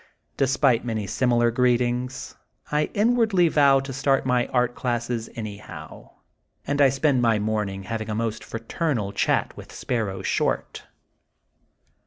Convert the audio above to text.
Despite many similar greetings, I in wardly vow to start my art classes anyhow, and I spend a morning having a most fra ternal chat with Sparrow Short.